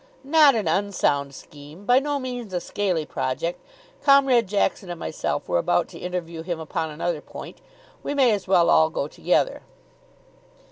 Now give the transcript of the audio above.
"Not an unsound scheme. By no means a scaly project. Comrade Jackson and myself were about to interview him upon another point. We may as well all go together."